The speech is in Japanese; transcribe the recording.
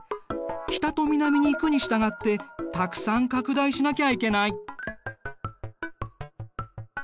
北と南に行くに従ってたくさん拡大しなきゃいけない。